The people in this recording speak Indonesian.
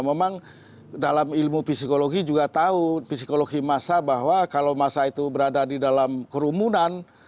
memang dalam ilmu psikologi juga tahu psikologi masa bahwa kalau masa itu berada di dalam kerumunan